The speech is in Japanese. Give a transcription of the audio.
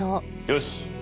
よし！